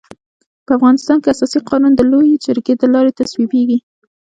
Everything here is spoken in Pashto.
په افغانستان کي اساسي قانون د لويي جرګي د لاري تصويبيږي.